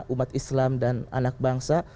umat islam dan anak bangsa